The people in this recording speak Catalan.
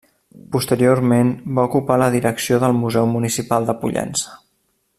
Posteriorment va ocupar la direcció del Museu Municipal de Pollença.